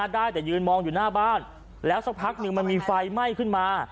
ได้แต่ยืนมองอยู่หน้าบ้านแล้วสักพักหนึ่งมันมีไฟไหม้ขึ้นมา